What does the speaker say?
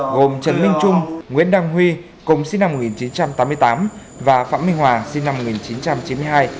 gồm trần minh trung nguyễn đăng huy cùng sinh năm một nghìn chín trăm tám mươi tám và phạm minh hòa sinh năm một nghìn chín trăm chín mươi hai